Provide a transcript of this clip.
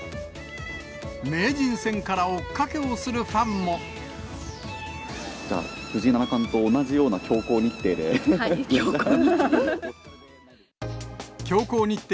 名人戦から追っかけをするフじゃあ、藤井七冠と同じようはい、強行日程。